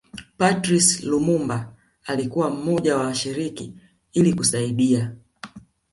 Patrice Lumumba alikuwa mmoja wa washiriki ili kusaidia